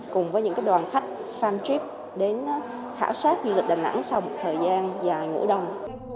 cùng với những đoàn khách farm trip đến khảo sát du lịch đà nẵng sau một thời gian dài ngủ đông